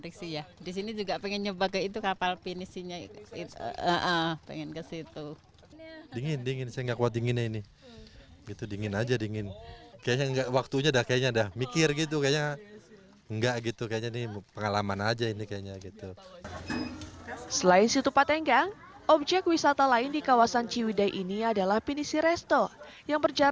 kisah cinta yang menegurkan kita